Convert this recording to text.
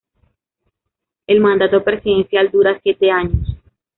El mandato presidencial dura siete años.